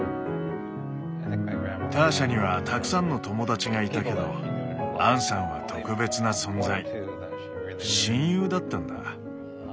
ターシャにはたくさんの友だちがいたけどアンさんは特別な存在親友だったんだ。